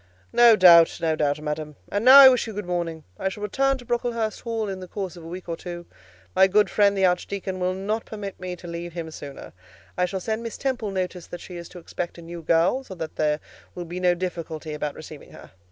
"No doubt, no doubt, madam; and now I wish you good morning. I shall return to Brocklehurst Hall in the course of a week or two: my good friend, the Archdeacon, will not permit me to leave him sooner. I shall send Miss Temple notice that she is to expect a new girl, so that there will be no difficulty about receiving her.